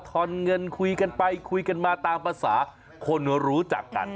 อนเงินคุยกันไปคุยกันมาตามภาษาคนรู้จักกัน